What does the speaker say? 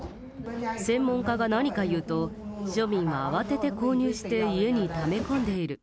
専門家が何か言うと、庶民は慌てて購入して家にため込んでいる。